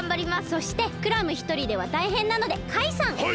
そしてクラムひとりではたいへんなのでカイさん！はい！？